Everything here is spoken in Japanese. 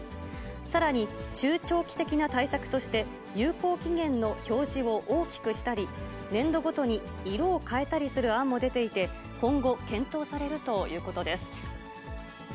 さらに中長期的な対策として、有効期限の表示を大きくしたり、年度ごとに色を変えたりする案も出ていて、今後、検討されるということです。